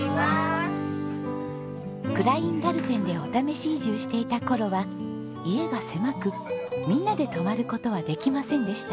クラインガルテンでお試し移住していた頃は家が狭くみんなで泊まる事はできませんでした。